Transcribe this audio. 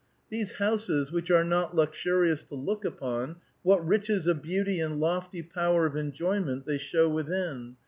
These houses, which are not luxurious to look upon, what riches of beauty and lofty power of en joyment they show within